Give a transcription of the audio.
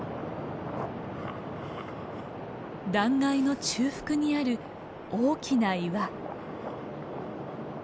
断崖の中腹にある大きな岩。